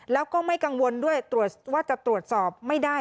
แล้วก็ไม่กังวลด้วยว่าจะตรวจสอบไม่ได้